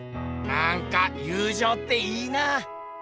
なんか友じょうっていいなあ。